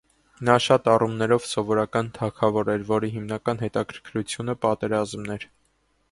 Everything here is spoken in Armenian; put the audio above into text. Նա շատ առումներով սովորական թագավոր էր, որի հիմնական հետաքրքրությունը պատերազմն էր։